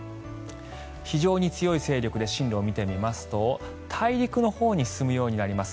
非常に強い勢力で進路を見てみますと大陸のほうに進むようになります。